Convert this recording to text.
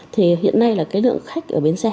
thì hiện nay là cái lượng khách ở bến xe